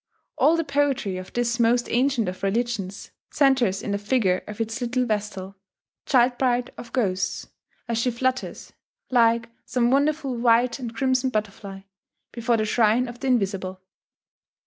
All the poetry of this most ancient of religions centres in the figure of its little Vestal, child bride of ghosts, as she flutters, like some wonderful white and crimson butterfly, before the shrine of the Invisible.